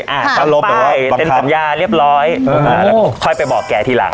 อ่าต้องไปเป็นสัญญาเรียบร้อยอ่าแล้วค่อยไปบอกแกทีหลัง